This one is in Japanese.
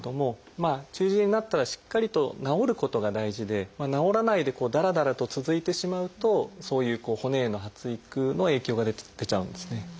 まあ中耳炎になったらしっかりと治ることが大事で治らないでだらだらと続いてしまうとそういう骨への発育の影響が出ちゃうんですね。